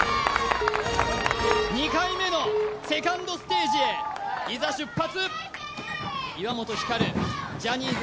２回目のセカンドステージへいざ出発